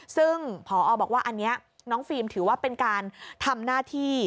ซึ่งพอบอกว่าอันนี้น้องฟิล์มถือว่าเป็นการทำหน้าที่